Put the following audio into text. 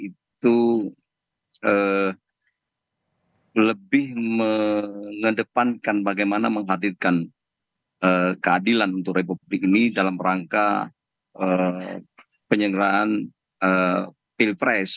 itu lebih mengedepankan bagaimana menghadirkan keadilan untuk republik ini dalam rangka penyelenggaraan pilpres